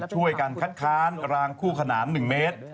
ช่วยกันคัดค้านรางคู่ขนาน๑เมตร